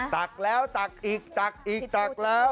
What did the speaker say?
ตักแล้วตักอีกตักอีกตักแล้ว